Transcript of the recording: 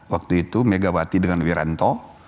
waktu itu megawati dengan wiranto